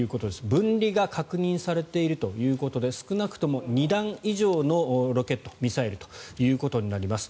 分離が確認されているということで少なくとも２段以上のロケット、ミサイルとなります。